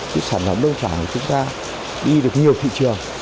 cái sản phẩm nông sản của chúng ta đi được nhiều thị trường